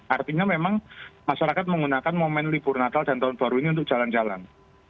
artinya memang masyarakat menggunakan momen libur natal dan tahun baru ini untuk jalan jalan